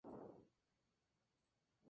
En su primera carrera logró el primer puesto.